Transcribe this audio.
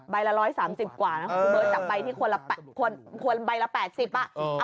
ใบละ๑๓๐กว่าใบรถจับไปที่คนละ๘๐